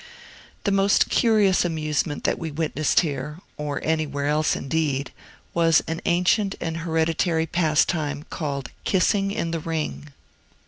The most curious amusement that we witnessed here or anywhere else, indeed was an ancient and hereditary pastime called "Kissing in the Ring."